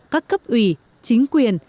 các cấp ủy chính quyền